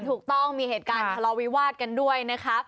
ถูกต้องมีเหตุการณ์ทะเลาวิวาสกันด้วยนะคะ